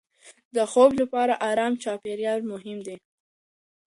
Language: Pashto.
د خوب لپاره ارام چاپېریال مهم دی.